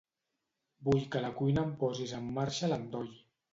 Vull que a la cuina em posis en marxa l'endoll.